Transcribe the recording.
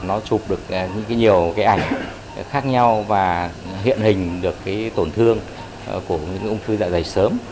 nó chụp được nhiều ảnh khác nhau và hiện hình được tổn thương của ung thư dạ dày sớm